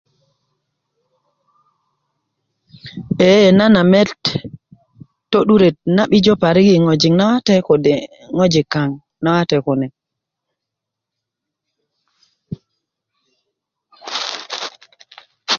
eee nan amet to'duret na 'bijo parik i ŋojik nawate kode kode ŋojik kaŋ nawate kune